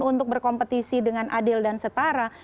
untuk berkompetisi dengan adil dan setara